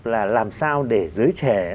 là làm sao để giới trẻ